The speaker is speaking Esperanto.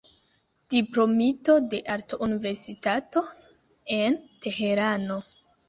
Diplomito de Arto-Universitato en Teherano.